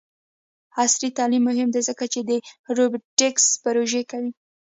عصري تعلیم مهم دی ځکه چې د روبوټکس پروژې کوي.